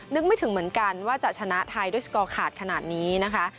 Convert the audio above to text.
นึกไม่ถึงเหมือนกันว่าจะชนะไทยด้วยสกอร์ขาดขนาดนี้นะคะ